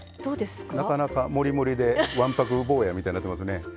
なかなか盛りもりでわんぱく坊やみたいになってますね。